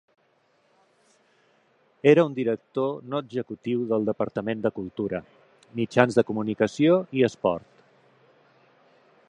Era un director no executiu del Departament de Cultura, Mitjans de Comunicació i Esport.